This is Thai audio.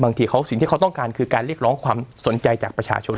สิ่งที่เขาต้องการคือการเรียกร้องความสนใจจากประชาชน